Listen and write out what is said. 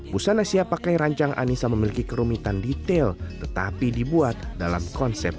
busana siap pakai rancang anissa memiliki kerumitan detail tetapi dibuat dalam konsep